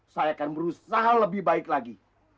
saya akan berusaha lebih baik lagi